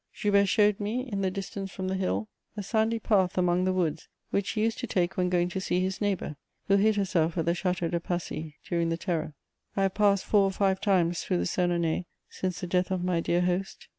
Joubert showed me, in the distance from the hill, a sandy path among the woods which he used to take when going to see his neighbour, who hid herself at the Château de Passy during the Terror. I have passed four or five times through the Senonais since the death of my dear host.